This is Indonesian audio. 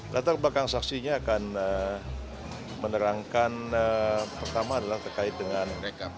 latar belakang saksinya akan menerangkan pertama adalah terkait dengan rekap